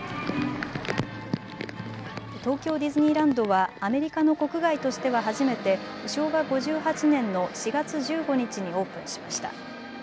東京ディズニーランドはアメリカの国外としては初めて昭和５８年の４月１５日にオープンしました。